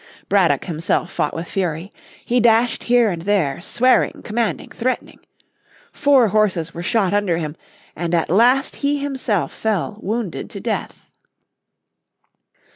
Braddock himself fought with fury. He dashed here and there, swearing, commanding, threatening. Four horses were shot under him, and at last he himself fell wounded to death.